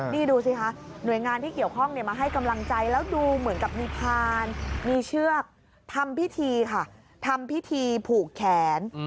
นี่ดูสิคะหน่วยงานที่เกี่ยวข้องมาให้กำลังใจแล้วดูเหมือนกับมีพานมีเชือกทำพิธีค่ะทำพิธีผูกแขน